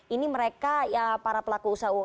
ini mereka para pelaku usaha